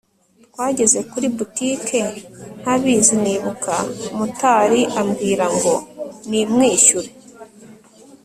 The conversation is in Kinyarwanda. twageze kuri boutique ntabizi nibuka motari ambwira ngo nimwishyure